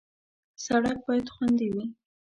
سړک باید خوندي وي.